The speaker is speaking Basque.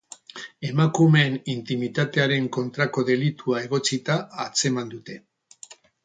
Emakumeen intimitatearen kontrako delitua egotzita atzeman dute.